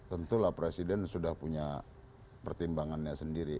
tentulah presiden sudah punya pertimbangannya sendiri